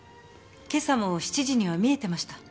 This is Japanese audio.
今朝も７時には見えてました。